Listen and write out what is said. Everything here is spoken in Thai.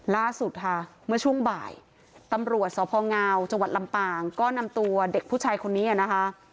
ล่าสุดค่ะเมื่อช่วงบ่ายตำรวจสพงจังหวัดลำปางก็นำตัวเด็กผู้ชายคนนี้นะคะ